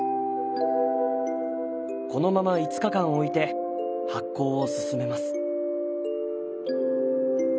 このまま５日間置いて発酵を進めます。